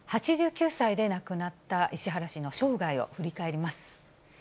８９歳で亡くなった石原氏の生涯を振り返ります。